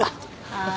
ああ。